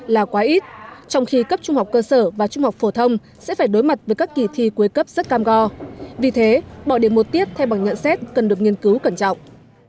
là quá ít trong khi cấp trung học cơ sở và trung học phổ thông sẽ phải đối mặt với các kỳ thi cuối cấp rất cam go vì thế bỏ điểm một tiết thay bằng nhận xét cần được nghiên cứu cẩn trọng